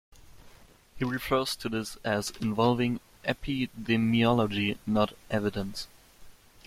He refers to this as involving "epidemiology, not evidence".